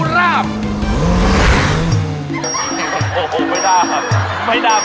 เอาออกมาเอาออกมาเอาออกมา